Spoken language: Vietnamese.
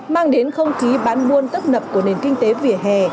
mang đến không khí bán buôn tất nập của nền kinh tế vỉa hè